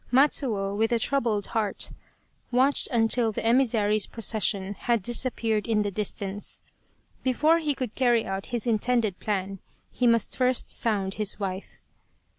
Matsuo, with a troubled heart, watched until the emissary's procession had disappeared in the distance. Before he could carry out his intended plan he must first sound his wife.